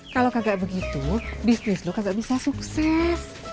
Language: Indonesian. kalau kagak begitu bisnis lo kagak bisa sukses